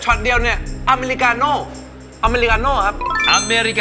ตอนนี้เขาใส่กาแฟประเภทอะไรพี่